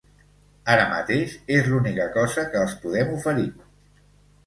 Ara mateix això és l’única cosa que els podem oferir.